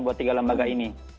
buat tiga lembaga ini